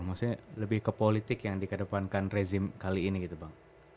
maksudnya lebih ke politik yang dikedepankan rezim kali ini gitu bang